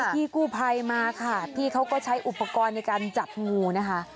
พี่กู้ภัยมาค่ะพี่เขาก็ใช้อุปกรณ์ในการจับงูนะคะ